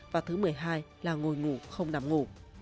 và thứ mười hai là ngồi ngủ không nằm ngủ